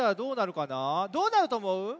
どうなるとおもう？